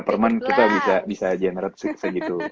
perman kita bisa generate segitu